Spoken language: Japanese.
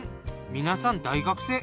皆さん大学生。